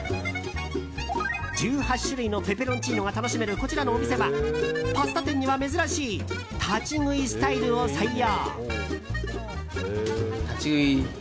１８種類のペペロンチーノが楽しめる、こちらのお店はパスタ店には珍しい立ち食いスタイルを採用。